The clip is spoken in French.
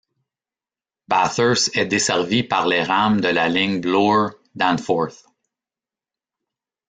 Bathurst est desservie par les rames de la ligne Bloor-Danforth.